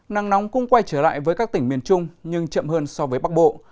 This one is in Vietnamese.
nắng nóng cũng quay trở lại với các tỉnh miền trung nhưng chậm hơn so với bắc bộ